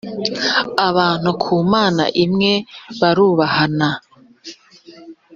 abantu ku mana imwe barubahana